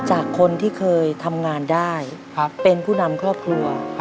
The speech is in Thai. จากคนที่เคยทำงานได้เป็นผู้นำครอบครัว